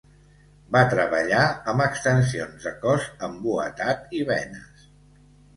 Va treballar amb extensions de cos embuatat i benes.